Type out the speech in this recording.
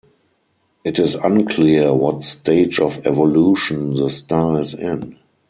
It is unclear what stage of evolution the star is in.